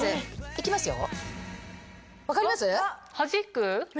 いきますよ？